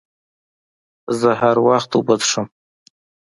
زه هر وخت اوبه څښم.